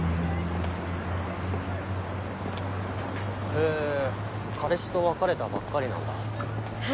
へぇ彼氏と別れたばっかりなんだは